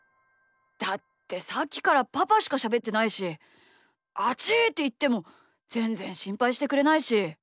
だってさっきからパパしかしゃべってないし「あちぃ！」っていってもぜんぜんしんぱいしてくれないし。